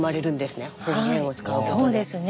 そうですね。